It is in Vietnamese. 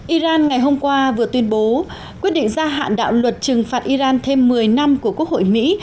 iran ngày hôm qua vừa tuyên bố quyết định gia hạn đạo luật trừng phạt iran thêm một mươi năm của quốc hội mỹ